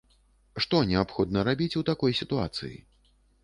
Што неабходна рабіць у такой сітуацыі?